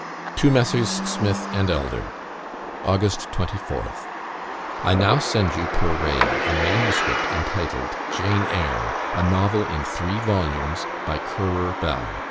To MESSRS. SMITH AND ELDER. "August 24th. "I now send you per rail a MS. entitled 'Jane Eyre,' a novel in three volumes, by Currer Bell.